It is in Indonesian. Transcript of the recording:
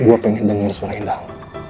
gue pengen denger suara indah lo